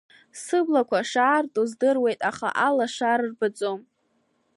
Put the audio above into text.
Сыблақәа шаарту здыруеит, аха алашара рбаӡом.